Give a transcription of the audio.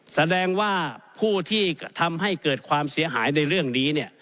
แสดงว่าผู้ที่ทำให้เกิดความเสียหายในเรื่องนี้